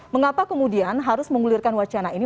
mengapa kemudian harus mengulirkan wacana ini